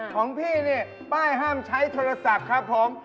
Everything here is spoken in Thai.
ของพี่เนี่ยป้ายห้ามใช้โทรศัพท์ครับผม